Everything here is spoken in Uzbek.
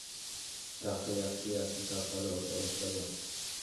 Sharqda yaxshi-yaxshi sharqona urf-odatlar bor.